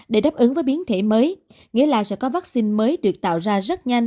để đáp ứng với biến thể mới nghĩa là sẽ có vaccine mới được tạo ra rất nhanh